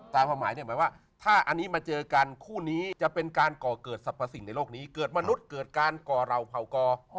ความหมายเนี่ยหมายว่าถ้าอันนี้มาเจอกันคู่นี้จะเป็นการก่อเกิดสรรพสิ่งในโลกนี้เกิดมนุษย์เกิดการก่อเหล่าเผ่ากอ